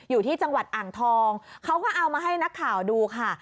อยู่ที่จังหวัดอ่างทองเขาก็เอามาให้นักข่าวดูค่ะ